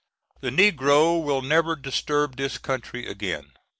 The negro will never disturb this country again.